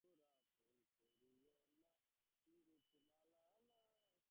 তাঁকে এখান থেকে সরাতে হলে জোর করে সরাতে হবে।